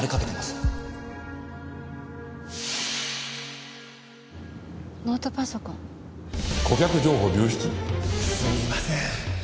すみません。